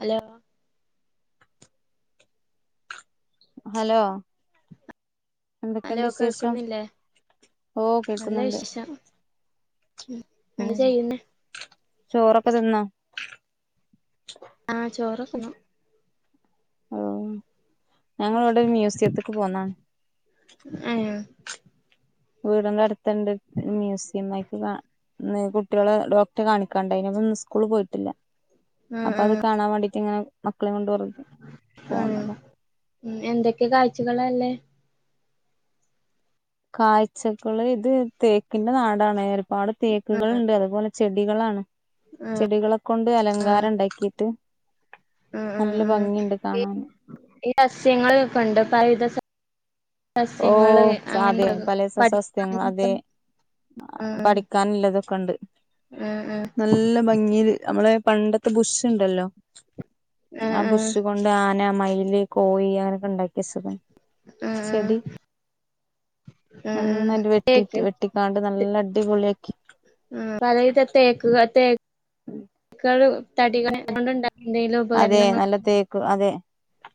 Hello hello hello എന്തൊക്കെയണ്ട് വിശേഷം കേൾക്കുന്നില്ലേ ഓ കേക്കുന്നുണ്ട് മ്മ് എന്താ ചെയ്യുന്നേ ചോറൊക്കെ തിന്നോ ആ ചോറോക്കെതിന്നു ഓ ഞങ്ങള് ഇവിടെ ഒരു മ്യൂസിയത്തേക്ക് പോന്നതാണ് ഏഹ് വീടിന്റെ അടുത്തുണ്ട് മ്യൂസിയം ആയിക്ക് കാ കുട്ടികളെ ഡോക്ടറെ കാണിക്കാൻ ഇണ്ടായിന്ന് അപ്പൊ ഇന്ന് സ്കൂള് പോയിട്ടില്ല ആ അപ്പൊ അത് കാണാൻ വേണ്ടീട്ട് ഇങ്ങനെ മക്കളെ കൊണ്ട് ആ പോന്നതാ എന്തൊക്കെ കാഴ്ചകളല്ലേ കാഴ്ചകള് ഇത് തേക്കിന്റെ നാടാണ് ഒരുപാട് ആ തേക്കുകൾണ്ട് അതുപോലെ ചെടികളാണ് ചെടികളെ കൊണ്ട് അലങ്കാരം ഉണ്ടാക്കിട്ട് ആ ആ നല്ല ആ ഭംഗിണ്ട് ഈ കാണാന് ഈ [unintelligible] പഴത ഓ [unintelligible] അങ്ങനെ അതെ പഠിക്കാനൊക്കെ ആ പഠിക്കാനുള്ളതൊക്കെ ഉണ്ട് ആ ആ ആ നല്ല ഭംഗി ല് നമ്മളെ പണ്ടത്തെ ബുഷ്ണ്ടല്ലോ അ ബുഷ് ആ കൊണ്ട് ണ്ട് ആന, മയില്, കോഴി അങ്ങനെയൊക്കെ ഉണ്ടാക്കിയ വെച്ചിണ് ആ ചെടി ആ ആ നന്നായിട്ട് വെട്ടിട്ട് തേക്ക് വെട്ടിക്കാണ്ട് നല്ല അടിപൊളിയാക്കി മം പലവിധം തേക്ക് ഉം തടി കൊണ്ടുണ്ടാക്കുന്ന എന്തെിലും അതെ ഉപകരണങ്ങൾ നല്ല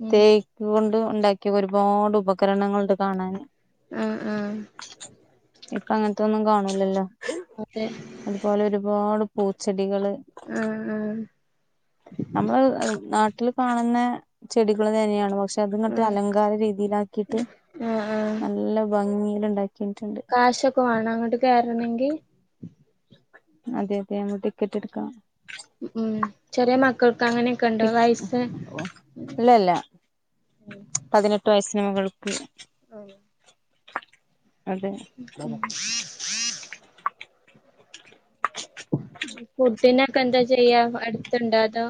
ഉ- ഇതുകൊണ്ട് ഉണ്ടാക്കിയ ഒരുപാട് ഉപകരണങ്ങളൾണ്ട് കാണാൻ ആ ആ ഇപ്പ അങ്ങനത്തൊ ഒന്നും കാണുലല്ലോ അതെ അതുപോലെ ഒരുപാട് പൂച്ചെടികള് ആഹ് നമ്മള് നാട്ടിൽ കാണുന്ന ചെടികള് തന്നെയാണ് പക്ഷെ പക്ഷെ അത്ങ്ങട്ട് ആ അലങ്കാര രീതിയിലാക്കിയിട്ട് ആഹ് ആഹ് നല്ല ഭംഗിൽ ഉണ്ടാക്കി കാശൊക്കെ വേണോ അങ്ങോട്ട് കയറണെങ്കിൽ അതെ അതെ നമ്മ ടിക്കറ്റ് എടുക്കാം ഉം ചെറിയ മക്കൾക്ക് അങ്ങനെയൊക്കെ ണ്ടോ വയസ്സ് ല്ലല്ല പതിനെട്ട് വയസിന് മൂകൾക്ക് അഹ് അതെ ഉം ഫുഡിനൊക്കെ എന്താ ചെയ്യാ അടുത്തണ്ട അതോ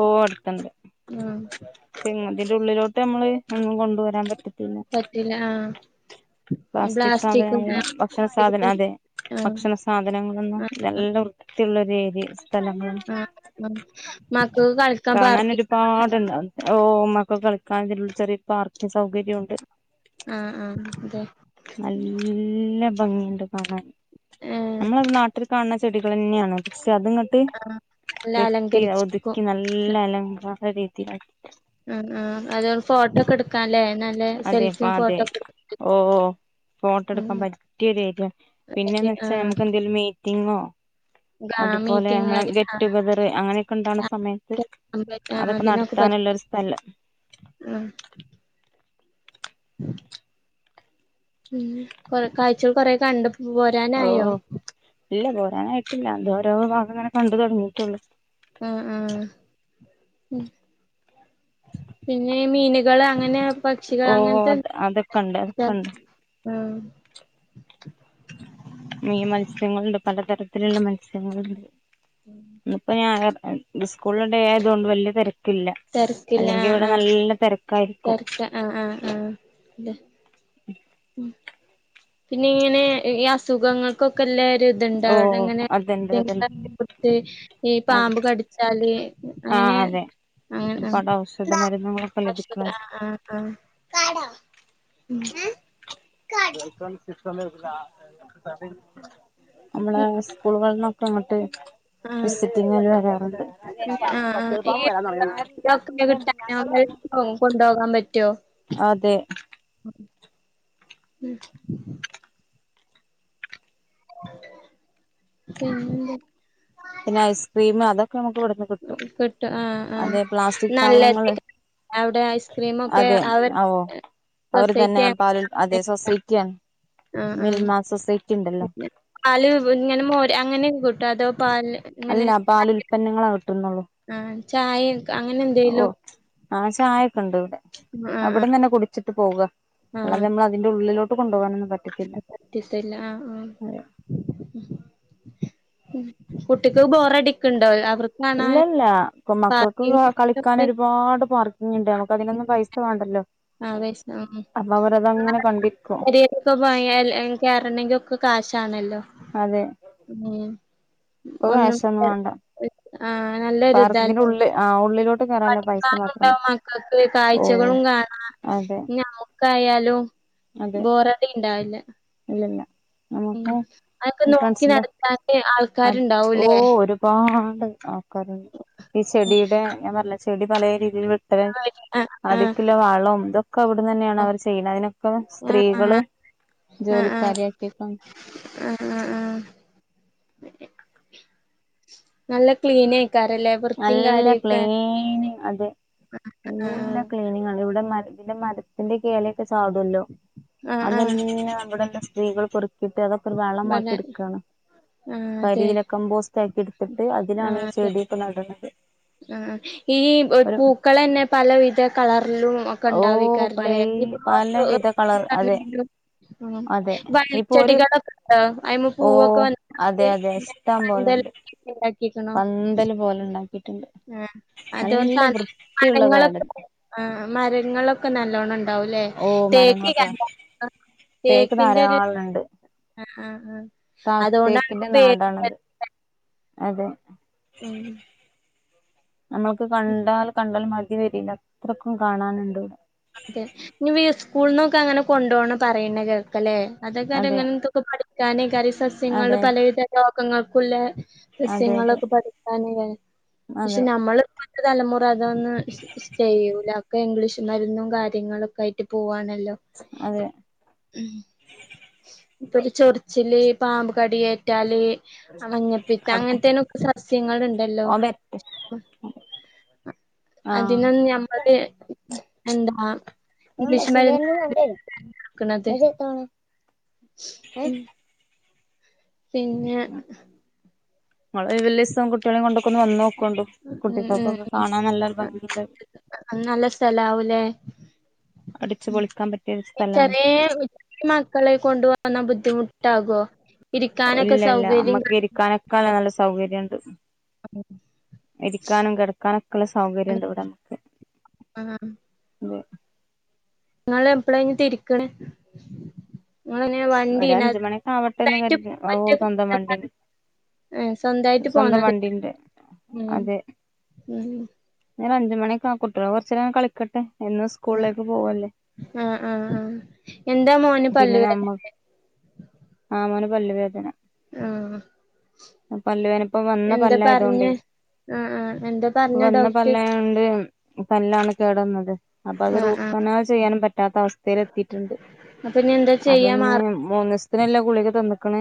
ഓ അടുത്തണ്ട് ഉം പിന്നെതിന്റെ ഉള്ളിലോട്ട് നമ്മള് ഒന്നും കൊണ്ടുവരാൻ പറ്റത്തില്ല ഇല്ല ആഹ് പ്ലാസ്റ്റിക് സാധനങ്ങള് ഭക്ഷണ സാധന അതെ ആഹ് ഭക്ഷണ- സാധനങ്ങളൊന്നും ആഹ് ആഹ് നല്ല വൃത്തിയുള്ളൊ ഒരു ഏര്യ ആ മക്ക ക്ക്കളിക്കാൻ പാർക്- പാടുണ്ട് ഓമക്കക്ക് കളിക്കാനതിനുള്ളിൽ ചെറിയ പാർക്ക് സൗകര്യം ണ്ട് ആഹ് ആഹ് അതെ നല്ല ഭംഗിണ്ട് കാണാൻ ഏഹ് നമ്മളത് നാട്ടിൽ കാണ- ചെടികളെന്നെയാണ് പക്ഷെ അത്ങ്ങട്ട് ആഹ് നല്ല വെട്ടി അലങ്കരിച്ചേക്കും ഒതുക്കിനല്ല- എല്ല അലങ്കാര രീതി- ഉ ആ അതുകൊണ്ട് ഫോട്ടോക്കെ എടുക്കാല്ലേ നല്ല അതെ അപ്പ സെൽഫിയും അതെ ഫോട്ടോക്കെ എ- ഓ ഫോട്ടോ എടുക്കാൻ പറ്റിയൊരേര്യ പിന്നെന്ന് വെച്ചാൽ ആഹ് നമുക്ക് എന്തെലും മീ ങ്ങോ ആ അതുപോലെ മീറ്റിംഗ് നമ്മളെ കാര്യം ഗെറ്റ് ഗെതർ അങ്ങനെയൊക്കെ ഇണ്ടണ സമയത്ത് അതൊക്കെ അതിനൊക്കെ നടത്താനുള്ളരു പറ്റും സ്ഥലം ഉം ഉം ഉ കൊറെ കാഴ്ചകൾ കൊറെ കണ്ട പോ- ഓ ഇല്ല പോരാനായിട്ടില്ല എന്തോരോ ഭാഗംങ്ങനെ കണ്ടു തുടങ്ങിട്ടുള്ളു ഉം ഉം പിന്നെ മീനുകൾ അങ്ങനെ പക്ഷികൾ ഓ അങ്ങനത്തെ- അത് അതൊക്കെ ഉണ്ട് അതൊക്കെ ഉണ്ട് ഉം മീ മത്സ്യങ്ങളുണ്ട് പലതരത്തിലുള്ള മത്സ്യങ്ങളുണ്ട് ഇന്നിപ്പോ ഞാൻ സ്കൂള് ഡെ ആയത് കൊണ്ട് വലിയ തിരക്ക് കില്ല തിരക്കില്ല അല്ലെങ്കിൽ ഇവിടെ നല്ല തിരക്കായിരിക്കും. ആഹ് ആഹ് ആഹ അതെ ഉ പിന്നെ ഇങ്ങനെ ഈ അസുഖങ്ങൾ ക്കെല്ല ഇതുണ്ട് ഓ അവിടെങ്ങനെ അതെന്ത് കൃ അതെന്ത് [unintelligible] ഈ അതെ പാമ്പ് കടി- ചാൽ അങ്ങനെ ആഹ് അതെ അങ്ങ ഒരുപാട് ഔഷധ ആ മരുന്നുകളൊക്കെ ലഭിക്കണം ആ ആഹ് കാടോ എ [unintelligible] നമ്മള സ്കൂളുകളിനൊക്കെ ങ്ങട്ട് ആഹ് വിസിറ്റിഗിന് വരാറുണ്ട് ആഹ് പച്ചളി പാമ്പ് വരാൻ തുടങ്ങീണ് [unintelligible] കൊണ്ടുപോകാൻ പറ്റുവോ? അതെ [inaudible] പിന്നെ പിന്നെ ഐസ്ക്രീം അതൊക്കെ നമുക്ക് ഇവിട കിട്ടു ആഹ ആഹ നല്ല സാധനങ്ങള് അവിടെ ഐസ്ക്രീമ ഒക്കെ അവ അവർ തന്നെ പാല അതെ സൊസൈറ്റിയണ്. ആഹ് മിൽമാ സൊസൈറ്റി ഉണ്ടല്ലോ പിന്നെ പാല് ഇങ്ങനെ മോര് അങ്ങനെ കൂട്ടോ അതോ പാല് അല്ല പാല് ഉല്പന്നങ്ങള കിട്ടുന്നുള്ളൂ. ആ ചായ അങ്ങനെ ഓ എന്തേലും ആ ചായൊക്കുണ്ട് ഇവിടെ ആഹ് ആഹ് അവിടന്ന് തന്നെ കുടിച്ചിട്ട് പോവുക അല്ല ആഹ് നമ്മള് അതിന്റെ ഉള്ളിലോട്ട് കൊണ്ടുപോകാനെന്നു പറ്റി [unintelligible] ആഹ് ആഹ കുട്ടിക്ക് ബോറടി ഇല്ലല്ല ഇപ്പ മക്കൾക്ക് കളിക്കാന പാർക്കിങ്ങൊക്കെ ഒരുപാട് പാർക്ക് ഇണ്ട് നമുക്ക് അതിനൊന്നും പൈസ വേണ്ടല്ലോ ആഹ് പൈസ അപ്പൊ അവര അതങ്ങനെ കണ്ടിരിക്കും. പ്പെ പോയാല് കയറണെങ്കിൽ ഒക്കെ കാശാണല്ലോ അതെ ഉം ഇപ്പ ഒന്നും കാശൊന്നും വേണ്ട ആഹ് നല്ല പാർക്കന്റെ ഉള്ളിൽ ആ ഉള്ളിലോട്ട് കേറാനുള്ള പൈസ മാത്രം പഠിക്കാനുണ്ടാവും മക്കൾക്ക് ഓ കാഴ്ചകളും കാണാ അതെ [unintelligible] ആയാലും ബോറടി ഉണ്ടാവില്ല ഇല്ലല്ല ഉ അതൊക്കെ നോക്കി നടത്താൻ ആൾ അത് ഓ ഒരുപാട് ആൾക്കാരുണ്ട് ഈ ചെടിയുടെ ഞാൻ പറില്ല ചെടി പലേരീതിയിൽ വെ ആ [unintelligible] അധിക്കുള്ള വളവും ഇതൊക്കെ അവിടു തന്നെയാണ് അവർ ചെയ്യുന്നത് അതിനൊക്കെ ആഹ് സ്ത്രീകള് ആഹ് ജോല കാര്ിയാക്കിക്ക എഹ് ഹാ നല്ല ക്ലീനേക്കാരല്ലേ വൃത്തിയും നല്ല കാര്യൊക്കെ ക്ലീനി അതെ നല്ല ആഹ് ക്ലീനിങ് ആണ് ഇവിടെ മ പിന്നെ മരത്തിന്റെ എലൊക്കെ ചാടുവല്ലോ ആഹ് ആഹ് ആഹ് അതന്നെ അവിടെള്ള സ്ത്രീകൾ പെറു കിട്ട് അതൊക്കെ വള മാക്കി ഇബടെ എടുക്കാണ് ആഹ് അതെ കരിയില കമ്പോസ്റ്റ് ആക്കി എടുത്തിട്ട് അതിലാണ് ആഹ് ഈ അതെ ചെടിയൊക്കെ നടണത് ആഹ് ഈ ഒരു പൂക്കള് തന്നെ പലവിധ കളറിലും ഓ ണ്ടാവിക്കാറില്ലേ പലേ [unintelligible] പലവിധ കളർ അതെ ഉ അതെ ഇപ്പൊ ഒരു വള്ളിച്ചെടികളൊക്കെ അയി മ ഓ പൂവൊക്കെ അതെ അതെ ഇഷ്ടം വന്നന്ത പോലെണ്ട് [unintelligible] ഇണ്ടാക്കിക്കണു പന്തല് പോലെ ഉണ്ടാക്കിയിട്ടുണ്ട് ആഹ് അതൊണ്ട് നല്ല തണൽ വൃത്തിയുള്ള മരങ്ങളൊക്കെ ഗാർഡൻ ആ മരങ്ങളൊക്കെ നല്ലോണം ഉണ്ട് ഉണ്ടാവൂല്ലെ ഓ തേക്ക് ക മരങ്ങളൊക്കെ [unintelligible] തേക്ക് തേക്കിന്റെ ഒരു ധാരാളണ്ട് ആഹ് ആഹ് ആഹ് ത അതുകൊണ്ടാണ് തേക്കിന്റെ നാടാണത് [unintelligible] അതെ ഉം നമ്മൾക്ക് കണ്ടാൽ കണ്ടാലും മതി വരില്ല അത്രക്കും കാണാനുണ്ട് ഇവടെ അതെ ഇനി സ്കൂളന്നോക്കെ അങ്ങനെ കൊണ്ട് പോന്ന് പറയുന്ന കേൾക്കല്ലേ അതൊക്കെ അതെ ആങ്ങനെന്തു പഠിക്കാനെ കരി സസ്യങ്ങള് അതെ പലവിധ രോഗങ്ങൾക്കുള്ള അതെ അതെ സസ്യങ്ങളൊക്കെ പഠിക്കാന് ലെ പക്ഷെ അതെ നമ്മള് ഇപ്പത്തെ തലമുറ അതൊന്നും ചെയ്യൂല ഒക്കെ ഇംഗ്ലീഷ് മരുന്നും കാര്യങ്ങളൊക്കെ ആയിട്ട് പോവാണല്ലോ അതെ ഉം ഇപ്പൊരു ചൊറിച്ചില് പാമ്പ് കടിയേറ്റാല് മഞ്ഞപ്പിത്തം കടക്കും അങ്ങനത്തേനൊക്കെ സസ്യങ്ങള് ഇണ്ടല്ലോ ഓൻ വരട്ടെ ആഹ് അതിനൊന്നും നമ്മള് എന്താ ഞാൻ ഇംഗ്ലീഷ് ബസ്സിന്റെ മരുന്ന് കണ്ട് വരും ആക്ക്ണത് ഇമ്മച്ചി എത്തോള് ഏ പിന്നെ ഇങ്ങള് ഒഴിവുള്ളീസം കുട്ട്യാളെ കൊണ്ടൊക്കൊന്നു വന്നോക്കോണ്ടു ഉം ഉം കുട്ടികൾക്കൊക്കെ ഉം കാണാൻ നല്ലൊരു ഭംഗിണ്ട് അത് നല്ല സ്ഥലാവൂലേ അടിച്ച് പൊളിക്കാൻ പറ്റും ഈ ചെറിയ കുഞ്ഞി മക്കളെ കൊണ്ട്‌ വന്ന ബുദ്ധിമുട്ടാവോ ഇല്ല ഇല്ല അമ്മക്ക് ഇരിക്കാനൊക്കെല്ല നല്ല സൗകര്യണ്ട് ഇരിക്കാനും കെടക്കാനും ഒക്കെ ഉള്ള സൗകര്യം ഉണ്ട് ഇവിടെ നമ്മക്ക് ആഹ് അതെ ഇങ്ങള് എപ്പളാ ഇഞ്ഞി തിരിക്ക്‌ണെ [unintelligible] ഒരു അഞ്ച് മണിയൊക്കെ ആവട്ടെന്ന് കരുതി ഓ സ്വന്തം വണ്ടി ഏഹ് സ്വന്തായിട്ട് സ്വന്തം പോന്നത് വണ്ടിണ്ട് ഉം ഉം ഞങ്ങള് അഞ്ച് മണി ഒക്കെ ആവും കുട്ടികള് കൊറച്ചേരം ഒന്ന് കളിക്കട്ടെ എന്നും സ്‌കൂ ആഹ് ആഹ് ആഹ് എന്താ മോന് പല്ല് പിന്നെ വേദ നമ്മ ആ ഹ് മോന് പല്ല് വേദന ആഹ് പല്ലുവേന ഇപ്പ വന്ന എന്താ പറഞ്ഞേ പല്ലായതുകൊണ്ടേയ് ആഹ് ആഹ് എന്താ പറഞ്ഞേ ഇപ്പംവന്ന ഡോക്ടർ പല്ലായോണ്ട് പല്ലാണ് കേടെന്നത് അപ്പത് ആഹ് റൂട്ട് ആഹ് കനാലും ചെയ്യാൻ പറ്റാത്ത അവസ്ഥേൽ എത്തിട്ടുണ്ട് അപ്പൊ ഇനി എന്താ ചെയ്യാ മാ മൂന്ന് ദിവസത്തിന്ള്ള ഗുളിക തന്ന്‌ക്ക്‌ണ്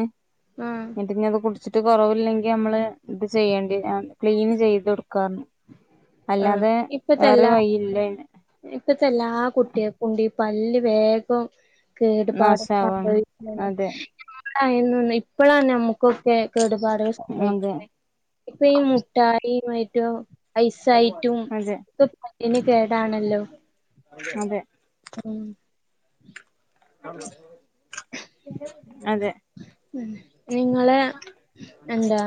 ആഹ് ഇന്നിട്ടിഞ്ഞത് കുടി ച്ചിട്ട് കൊറവില്ലെങ്കി നമ്മള് ഇത് ചെയ്യേണ്ടി ആ ക്ലീൻ ചെയ്ത് കൊടുക്കാർഞ്ഞു ആഹ് അല്ലാതെ ഇപ്പത്തെ വേറൊരു എല്ലാ വഴി ഇല്ലയ്ന് ഇപ്പത്തെ എല്ലാ കുട്ടിയക്കൊണ്ട് ഈ പല്ല് വേഗോം കേടുപാട് നാശാവാണ് സംഭവിക്ക അതെ ഇപ്പഴാണ് നമ്മുക്കൊക്കെ കേടുപാടുകൾ അതെ സംഭവിക്കുന്നെ ഇപ്പൊ ഈ മുട്ടായി മറ്റോം ഐസായിട്ടും അതെ ഒക്കെ പല്ലിന് കേടാണല്ലോ അതെ ഉം അതെ ഉം നിങ്ങള് എന്താ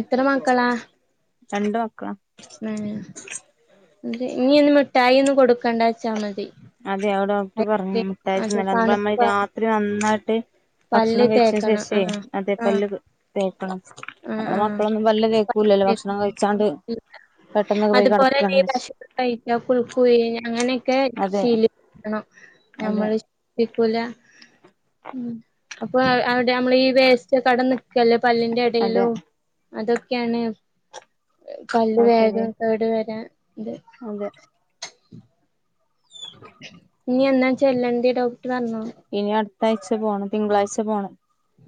എത്ര മക്കളാ രണ്ടു മക്കളാ ഉം ഇനി ഒന്ന് മിഠായി ഒന്നും കൊടുക്കണ്ടാ വെച്ചാ മതി അതെ അത് ഡോക്ടർ പറഞ്ഞു ഐസ്ക്രീം മുട്ടായി അത് തിന്നലാ അത്പ്പം നമ്മള് തണുപ്പ രാത്രി നന്നായിട്ട് പല്ല് ഭക്ഷണം കഴിച്ച തേക്കണം ശേഷേ ആഹ് അതെ ആഹ് പല്ലത് തേക്കണം ആഹ് നമ്മളെ ആഹ് മക്കളൊന്നും പല്ല് തേക്കൂല്ലല്ലോ ഭക്ഷണം കഴിച്ചാണ്ട് പെട്ടെന്നങ് പോയി കെടക്കാണല്ലോച്ച് കഴിഞ്ഞ കുൽക്കുഴിയ അങ്ങനെക്കെ അതെ ശീലിപ്പിക്കണം അതെ നമ്മള് തേക്കൂല ഉം അപ്പൊ അവ് അവിടെ നമ്മളെ ഈ വേസ്റ്റ് കെടന്ന് ക്കല്ലേ പല്ലിന്റെ അതെ എടേലും അതൊക്കെയാണ് പല്ല് അത് ശരിയാ വേഗം കേട് വെരാ ഇത് അതെ ഇനി എന്ന ചെല്ലണ്ടേ ഡോക്ടർ പറഞ്ഞോ ഇനി അടുത്ത ആഴ്ച്ച പോണം തിങ്കളാഴ്ച പോണം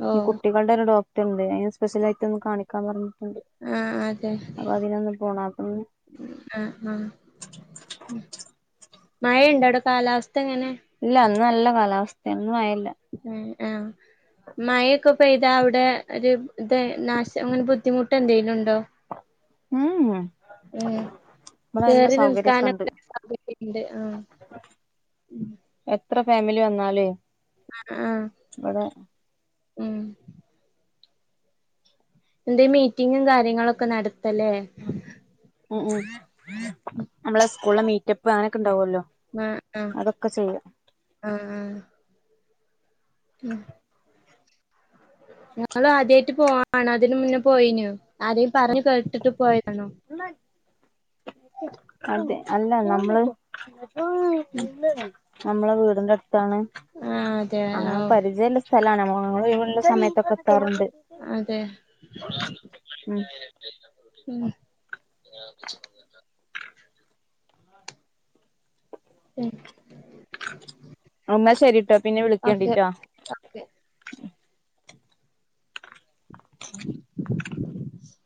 ഓ ഈ കുട്ടി കുട്ടിളുടെ ഒരു ഡോക്ടറുണ്ട് അയ്ന് സ്പെഷ്യലായിട്ട് ഒന്ന് കാണിക്കാന്ന് പറഞ്ഞിട്ടുണ്ട് ആഹ് അതെ അപ്പൊ അതിനൊന്ന് പോണം അപ്പം ആഹ് ആഹ് മഴയുണ്ട അവിടെ കാലാവസ്ഥ എങ്ങനെ ഇല്ല ഇന്ന് നല്ല കാലാവസ്ഥയാ മഴയില്ല മ്മ് ആഹ് മഴയൊക്കെ പെയ്താ അവിടെ ഒരു ഇത് നാശം അങ്ങനെ ബുദ്ധിമുട്ട് എന്തേലുണ്ടോ ഉം ഇവിടെ നല്ല കേറി സൗകര്യൊക്കെ ഉണ്ട് നിൽക്കാനൊക്കെ സാധ്യത ഇണ്ട് ആഹ് എത്ര ഫാമിലി വന്നാലുവേ അ ആഹ് ഉം എന്തേ മീറ്റിങ്ങും കാര്യങ്ങളൊക്കെ നടത്താല്ലേ ഉം ഉം നമ്മളെ സ്കൂൾല മീറ്റപ്പ് അങ്ങനൊക്കെ ഉണ്ടാവുല്ലോ ഉം ഉം ഉം ഉം ഉം നിങ്ങളാദ്യായിട്ട് പോവാണോ അതിന് മുന്നേ പോയിനു ആരേലും പറഞ് കേട്ടിട്ട് പോയിതാണോ അതെ അല്ല നമ്മള് നമ്മള വീടിന്റെടുത്താണ് ആഹ് അതെ അങ്ങനെ ആഹ് പരിചയൊള്ള സ്ഥലമാണ് നമ്മള് ഒഴിവൊള്ള സമയത്തൊക്കെ എത്താറുണ്ട് അതെ ഉം ഉം [unintelligible] [inaudible] ഉം എന്ന ശരിട്ടോ പിന്നെ ഓക്കെ വിളിക്കേണ്ടിട്ടോ. ഓക്കെ. [inaudible] [inaudible]